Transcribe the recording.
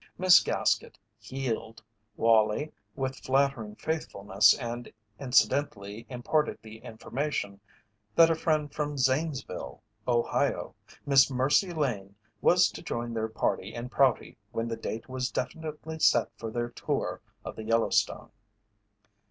Miss Gaskett "heeled" Wallie with flattering faithfulness and incidentally imparted the information that a friend from Zanesville, Ohio, Miss Mercy Lane was to join their party in Prouty when the date was definitely set for their tour of the Yellowstone.